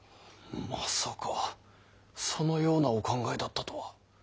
まさかそのようなお考えだったとは。